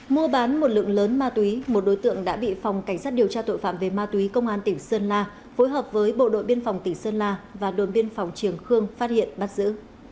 mua bán một lượng lớn ma túy một đối tượng đã bị phòng cảnh sát điều tra tội phạm về ma túy công an tp hcm phối hợp với bộ đội biên phòng tp hcm và đoàn biên phòng trường khương phát hiện bắt giữ